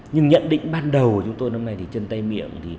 nhưng nhận định ban đầu của chúng tôi năm nay thì trên tay miệng